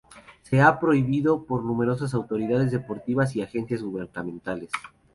Se ha prohibido por numerosas autoridades deportivas y agencias gubernamentales.